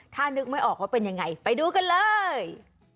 ถ้านึกไม่ออกว่าเป็นยังไงไปดูกันเลย